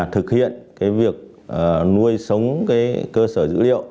thực hiện việc nuôi sống cơ sở dữ liệu